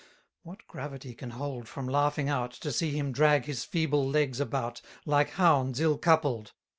What gravity can hold from laughing out, To see him drag his feeble legs about, Like hounds ill coupled?